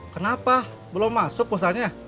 kenapa belum masuk maksudnya